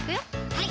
はい